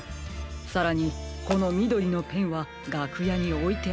さらにこのみどりのペンはがくやにおいてあったもの。